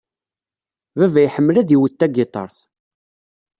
Baba iḥemmel ad iwet tagiṭart.